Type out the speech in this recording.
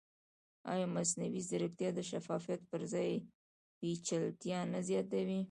ایا مصنوعي ځیرکتیا د شفافیت پر ځای پېچلتیا نه زیاتوي؟